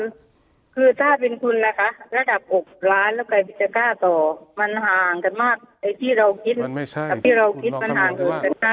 คือถ้าเป็นคุณนะคะระดับ๖ล้านแล้วกับใครพิจารณาต่อมันห่างกันมาก